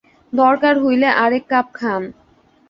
দরকার হইলে আরেক কাপ খান।